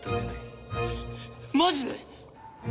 マジで！？